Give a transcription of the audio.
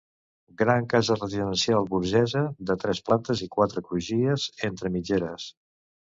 Gran casa residencial burgesa de tres plantes i quatre crugies, entre mitgeres.